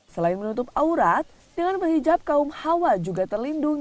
selain menutup aurat dengan berhijab kaum hawa juga terlindung